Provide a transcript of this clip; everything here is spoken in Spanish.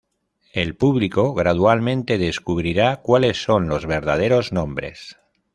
El público gradualmente descubrirá cuales son los verdaderos nombres'.